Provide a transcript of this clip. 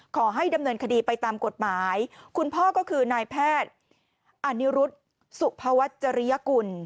ขอให้ดำเนินคดีไปตามกฎหมายคุณพ่อก็คือนายแพทย์อานิรุธสุภวัชริยกุล